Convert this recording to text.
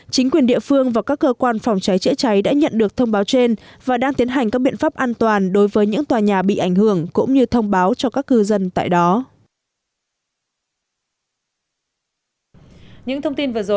chính quyền địa phương và các cơ quan phòng cháy chữa cháy đã nhận được thông báo trên và đang tiến hành các biện pháp an toàn đối với những tòa nhà bị ảnh hưởng cũng như thông báo cho các cư dân tại đó